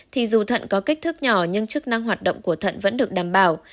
thì dù thận có kích thước nhỏ nhưng chức năng hoạt động của thận vẫn được đảm bảo